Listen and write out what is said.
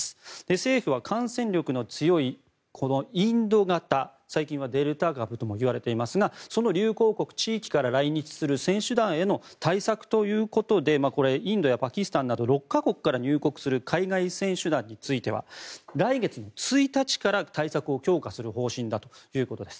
政府は感染力の強いインド型最近はデルタ株ともいわれていますがその流行国、地域から来日する選手団への対策ということでこれ、インドやパキスタンなど６か国から入国する海外選手団については来月の１日から対策を強化する方針だということです。